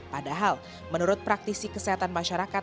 padahal menurut praktisi kesehatan masyarakat